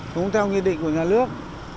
cũng theo nguyên định của nhà nước